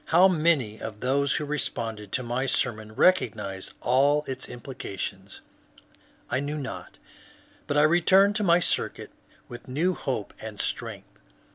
How many of those who responded to my sermoiv recognized all its implications I knew not, but I returned to my circuit with new hope and strength.